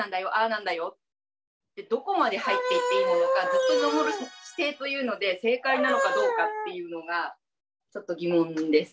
なんだよってどこまで入っていっていいものかずっと見守る姿勢というので正解なのかどうかっていうのがちょっと疑問です。